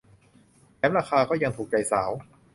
แถมราคาก็ยังถูกใจสาว